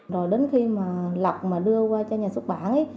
rồi đến khi mà lọc mà đưa qua cho nhà xuất bản ấy